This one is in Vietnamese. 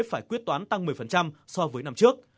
phải quyết toán tăng một mươi so với năm trước